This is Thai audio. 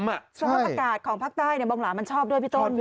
สภาพอากาศของภาคใต้บองหลามันชอบด้วยพี่ต้น